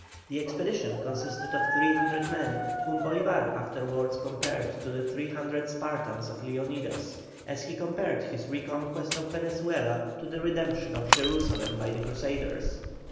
The expedition consisted of 300 men, whom Bolívar afterwards compared to the 300 Spartans of Leonidas, as he compared his reconquest of Venezuela to the redemption of Jerusalem by the Crusaders.